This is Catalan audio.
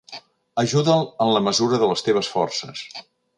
Ajuda'l en la mesura de les teves forces.